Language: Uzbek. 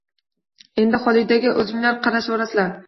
Endi Xolidaga o`zinglar qarashvorarsizlar